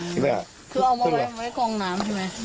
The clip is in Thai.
คือเอามาไว้กองน้ำใช่ไหม